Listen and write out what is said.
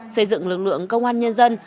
xây dựng lực lượng công an nhân dân